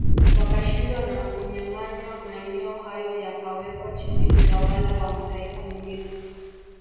Wakashindwa na kunyanganywa maeneo hayo yakawekwa chini utawala wa mataifa mengine